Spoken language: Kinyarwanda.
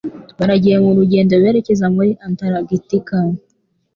Baragiye mu rugendo berekeza muri Antaragitika.